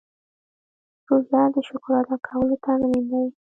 روژه د شکر ادا کولو تمرین دی.